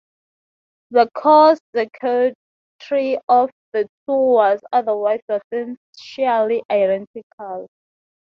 The core circuitry of the two was otherwise substantially identical.